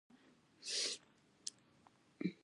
ایا ستاسو غرونه به لوړ نه وي؟